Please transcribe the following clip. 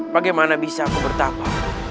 bagaimana bisa aku bertapa